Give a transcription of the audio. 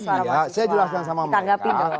iya saya jelasin sama mereka